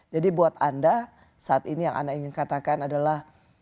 jadi buat anda saat ini yang anda ingin katakan adalah